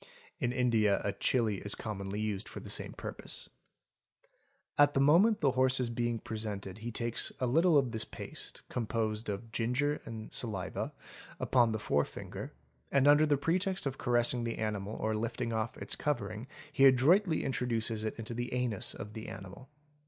* At the moment the horse is being presented he takes a little of this paste, composed of ginger and saliva, upon the forefinger, and under the pretext of caressing the animal or lifting off ' its covering he adroitly introduces it into the anus of the animal.